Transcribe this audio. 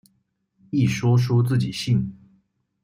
一说出自己姓。